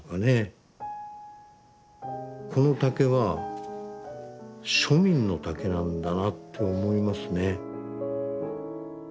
この竹は庶民の竹なんだなって思いますね。